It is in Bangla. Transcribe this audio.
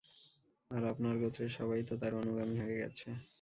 আর আপনার গোত্রের সবাই তো তাঁর অনুগামী হয়ে গেছে।